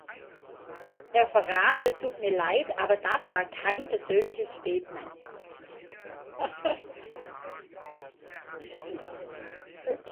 Herr Farage, es tut mir Leid, aber das war kein persönliches Statement.